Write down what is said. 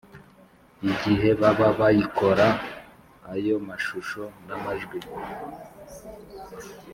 igihe baba bayikora Ayo mashusho n amajwi